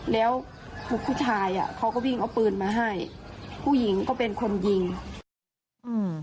แล้วผู้ชายอ่ะเขาก็วิ่งเอาปืนมาให้ผู้หญิงก็เป็นคนยิงอืม